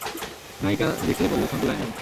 নায়িকা দেখলে বলে, সঞ্জু লাইন মারে!